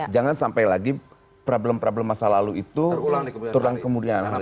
jangan sampai lagi problem problem masa lalu itu terulang kemudian